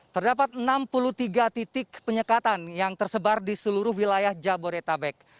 terdapat enam puluh tiga titik penyekatan yang tersebar di seluruh wilayah jabodetabek